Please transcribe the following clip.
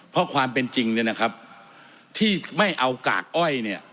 เพราะความเป็นจริงเนี่ยนะครับที่ไม่เอากากอ้อยเนี่ย